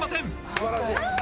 素晴らしい。